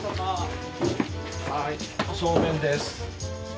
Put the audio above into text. はいおそうめんです。